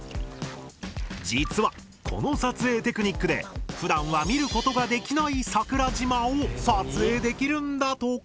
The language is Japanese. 実はこの撮影テクニックでふだんは見ることができない桜島を撮影できるんだとか。